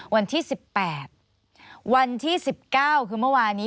วันที่สิบแปดวันที่สิบเก้าคือเมื่อวานี้